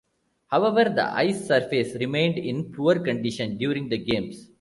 However, the ice surface remained in poor condition during the Games.